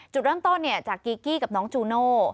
จุดเริ่มต้นจากกีกี้กับน้องจูโน่